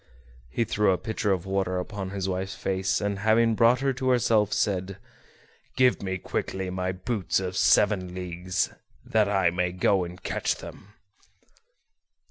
He threw a pitcher of water upon his wife's face, and, having brought her to herself, said: "Give me quickly my boots of seven leagues, that I may go and catch them."